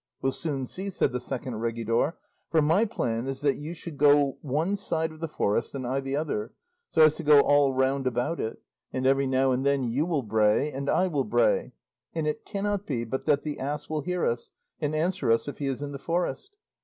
'We'll soon see,' said the second regidor, 'for my plan is that you should go one side of the forest, and I the other, so as to go all round about it; and every now and then you will bray and I will bray; and it cannot be but that the ass will hear us, and answer us if he is in the forest.